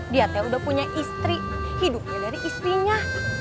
dia teh udah punya istri hidupnya dari istrinya